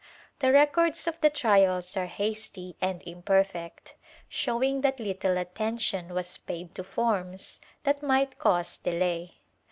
The records of the trials are hasty and imperfect, showing that little attention was paid to forms that might cause delay.